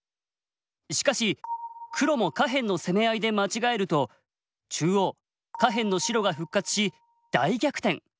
しかし黒も下辺の攻め合いで間違えると中央下辺の白が復活し大逆転。